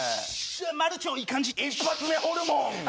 一発目、ホルモン。